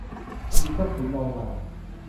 มีทรัพย์สินรองรัง